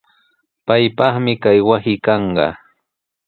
Paypaqmi kay wasi kanqa.